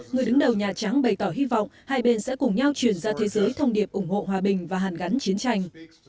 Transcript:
người đứng đầu nhà trắng bày tỏ hy vọng hai bên sẽ cùng nhau chuyển ra thế giới thông điệp ủng hộ hòa bình và hàn gắn chiến tranh